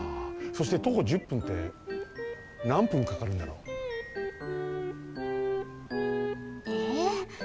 そして徒歩１０分ってなん分かかるんだろう？えっ？